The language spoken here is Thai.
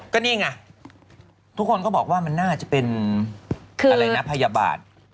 ก็นี่ไงทุกคนก็บอกว่ามันน่าจะเป็นอะไรนะพยาบาล